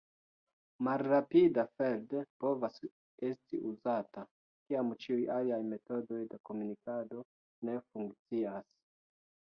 Malrapida feld povas esti uzata, kiam ĉiuj aliaj metodoj de komunikado ne funkcias.